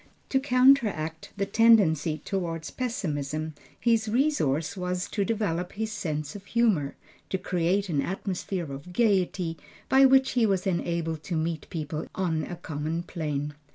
To counteract the tendency toward pessimism, his resource was to develop his sense of humor, to create an atmosphere of gayety, by which he was enabled to meet people on a common plane.